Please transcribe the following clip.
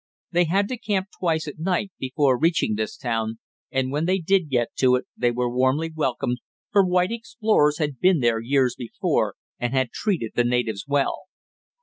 They had to camp twice at night before reaching this town, and when they did get to it they were warmly welcomed, for white explorers had been there years before, and had treated the natives well.